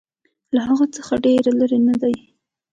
له هغه څخه ډېر لیري نه دی.